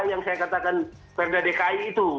yang saya katakan perda dki itu